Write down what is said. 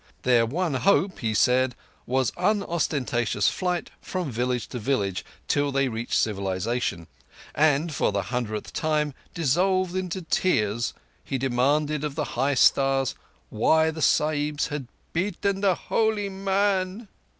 Their one hope, said he, was unostentatious flight from village to village till they reached civilization; and, for the hundredth time dissolved in tears, he demanded of the high stars why the Sahibs "had beaten holy man".